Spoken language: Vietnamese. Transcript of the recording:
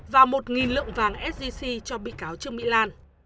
và một lượng vàng sgc cho bị cáo trương mỹ lan